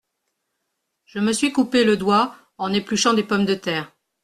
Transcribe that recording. Je me suis coupé le doigt en épluchant des pommes de terre.